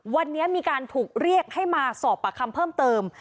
วันนี้มีการถูกเรียกให้มาสอบปากคำเพิ่มเติม